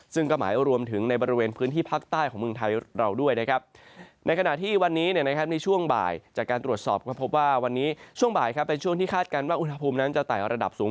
ถึง๓๓องศาเซลเซียดนะครับ